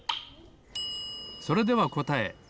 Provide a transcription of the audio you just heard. それではこたえ。